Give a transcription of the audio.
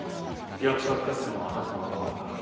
役者を引かせるのは私のわがままだ。